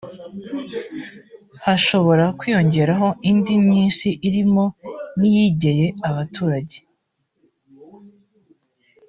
hashobora kwiyongeraho indi myinshi irimo n’iyegeye abaturage